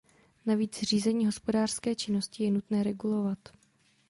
Navíc řízení hospodářské činnosti je nutné regulovat.